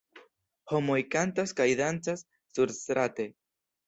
Homoj kantas kaj dancas surstrate.